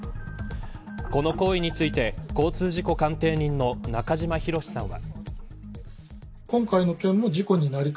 この行為について交通事故鑑定人の中島博史さんは。